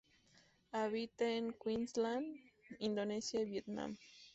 Habita en Queensland, Indonesia y Vietnam.